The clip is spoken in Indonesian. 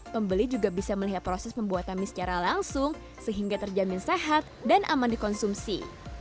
pembeli juga bisa melihat proses pembuatan mie secara langsung sehingga terjamin sehat dan aman dikonsumsi